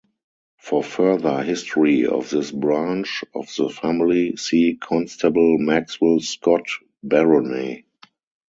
For further history of this branch of the family, see Constable Maxwell-Scott baronets.